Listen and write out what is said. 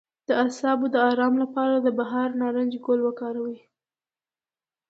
د اعصابو د ارام لپاره د بهار نارنج ګل وکاروئ